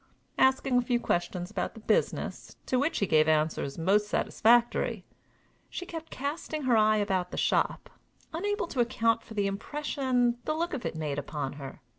Asking a few questions about the business, to which he gave answers most satisfactory, she kept casting her eyes about the shop, unable to account for the impression the look of it made upon her.